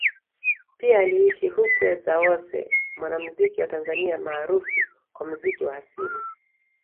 Pia aliishi Hukwe Zawose mwanamuziki wa Tanzania maarufu kwa muziki wa asili